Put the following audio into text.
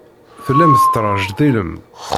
Tellam tettrejdilem.